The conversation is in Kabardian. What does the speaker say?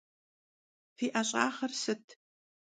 Fi 'eş'ağer sıt?